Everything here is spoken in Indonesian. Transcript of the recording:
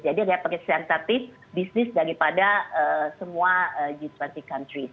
jadi representatif bisnis daripada semua g dua puluh countries